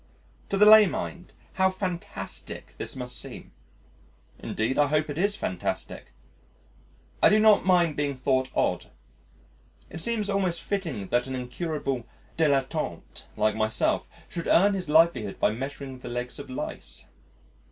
To the lay mind how fantastic this must seem! Indeed, I hope it is fantastic. I do not mind being thought odd. It seems almost fitting that an incurable dilettante like myself should earn his livelihood by measuring the legs of lice.